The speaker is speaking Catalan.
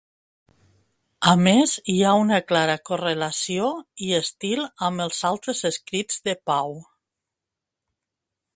A més hi ha una clara correlació i estil amb els altres escrits de Pau.